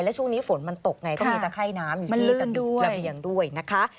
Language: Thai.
และช่วงนี้ฝนมันตกไงก็มีตะไข้น้ำอยู่ระเบียงด้วยนะคะ